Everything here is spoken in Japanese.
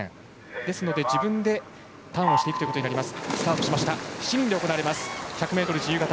ですので自分でターンをしていくことになります。